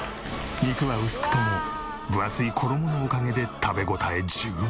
肉は薄くとも分厚い衣のおかげで食べ応え十分。